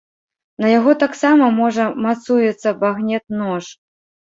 На яго таксама можа мацуецца багнет-нож.